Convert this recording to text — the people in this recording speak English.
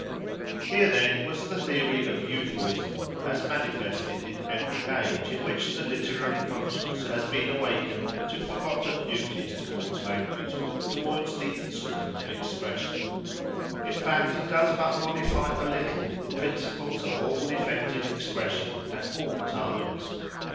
Here, then, was the theory of Euphuism, as manifested in every age in which the literary conscience has been awakened to forgotten duties towards language, towards the instrument of expression: in fact it does but modify a little the principles of all effective expression at all times.